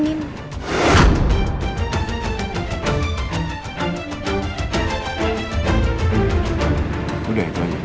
udah itu aja dia gak mau ngomong yang lain